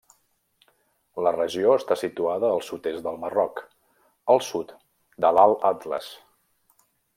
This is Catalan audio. La regió està situada al sud-est del Marroc, al sud de l'Alt Atles.